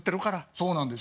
そうなんですよ。